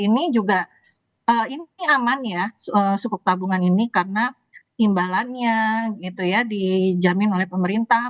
ini juga ini aman ya sukuk tabungan ini karena imbalannya gitu ya dijamin oleh pemerintah